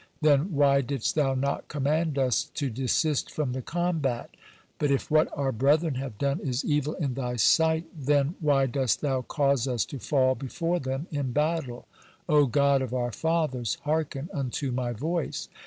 Then why didst Thou not command us to desist from the combat? But if what our brethren have done is evil in Thy sight, then why dost Thou cause us to fall before them in battle? O God of our fathers, hearken unto my voice.